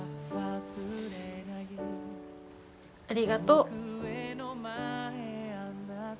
ありがとう。